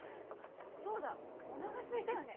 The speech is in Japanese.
そうだおながすいたよね？